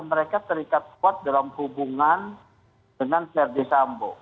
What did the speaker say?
mereka terikat kuat dalam hubungan dengan verdi sambo